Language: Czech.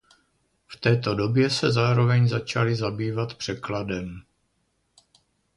V této době se zároveň začal zabývat překladem.